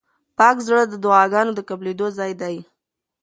پاک زړه د دعاګانو د قبلېدو ځای دی.